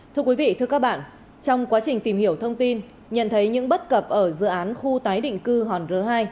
thưa quý vị thưa các bạn trong quá trình tìm hiểu thông tin nhận thấy những bất cập ở dự án khu tái định cư hòn rớ hai